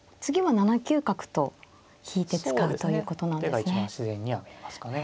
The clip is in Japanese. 手が一番自然には見えますかね。